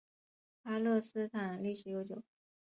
巴勒斯坦历史悠久。